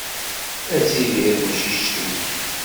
Ad tidir temcict-ik.